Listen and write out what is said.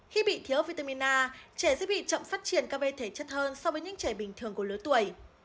khi bị thiếu o vitamin a trẻ sẽ bị chậm phát triển các bê thể chất hơn so với những trẻ bình thường của lứa tuổi